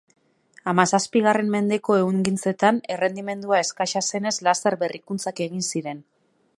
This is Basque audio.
Hamazazpigarren mendeko ehungintzetan errendimendua eskasa zenez laster berrikuntzak egin ziren.